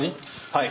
はい。